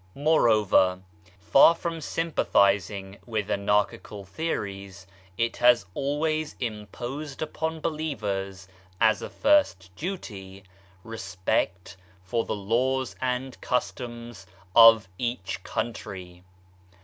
More over, far from sympathising with anar chical theories, it has always imposed upon believers, as a first duty, respect for the laws and customs of each country.